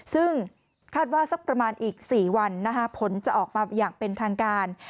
ซึ่งคาดว่าสักประมาณอีก๔วันผลจะออกมาอย่างเป็นทางการ